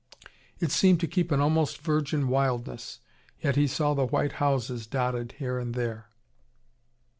It seemed to keep an almost virgin wildness yet he saw the white houses dotted here and there.